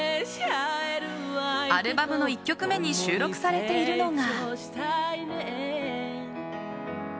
アルバムの１曲目に収録されているのが。